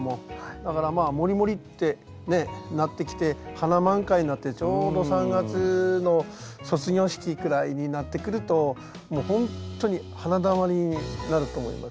だからまあもりもりってなってきて花満開になってちょうど３月の卒業式くらいになってくるともうほんとに花だまりになると思います。